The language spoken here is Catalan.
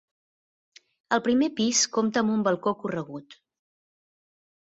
El primer pis compta amb un balcó corregut.